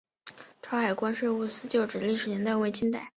潮海关税务司旧址的历史年代为清代。